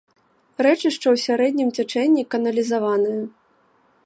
Рэчышча ў сярэднім цячэнні каналізаванае.